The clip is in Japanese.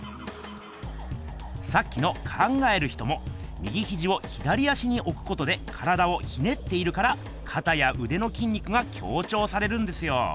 さっきの「考える人」も右ひじを左足におくことで体をひねっているからかたやうでのきん肉が強ちょうされるんですよ。